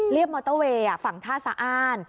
มอเตอร์เวย์ฝั่งท่าสะอ้าน